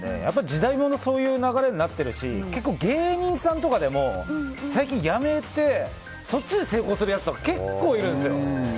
時代もそういう流れになってるし結構、芸人さんとかでも最近、辞めてそっちで成功するやつとか結構いるんですよ。